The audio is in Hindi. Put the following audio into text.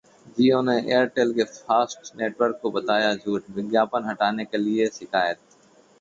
Jio ने Airtel के फास्ट नेटवर्क को बताया झूठ, विज्ञापन हटाने के लिए शिकायत